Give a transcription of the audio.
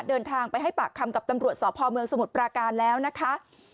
เดินทางไปให้ปากคำกับตำรวจสพเมืองสมุทรปราการแล้วนะคะ